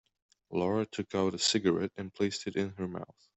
Laura took out a cigarette and placed it in her mouth.